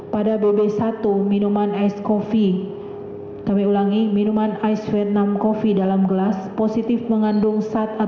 pada bb satu minuman ice coffee dalam gelas positif mengandung sat atau beracun